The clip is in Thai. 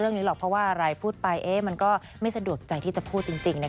อยากมีครอบครัวอุ่นอยากมีลูกอะไรอย่างนี้